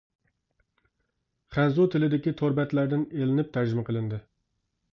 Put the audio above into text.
خەنزۇ تىلىدىكى تور بەتلەردىن ئېلىنىپ تەرجىمە قىلىندى.